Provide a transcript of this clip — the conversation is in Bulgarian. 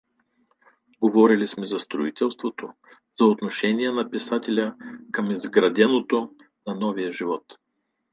Говорили сме за строителството, за отношението на писателя към изграждането на новия живот.